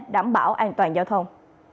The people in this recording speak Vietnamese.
đảm bảo an toàn giao thông